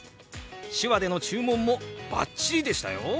手話での注文もバッチリでしたよ！